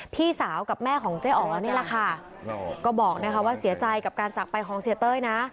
พี่สาวกับแม่ของเจ๊อ๋อนี่แหละค่ะก็บอกนะคะว่าเสียใจกับการจากไปของเสียเต้ยนะ